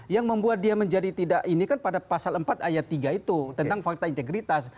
yang membuat dia menjadi tidak ini kan pada pasal empat ayat tiga itu tentang fakta integritas